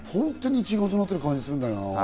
一丸となってる感じがするんだよな。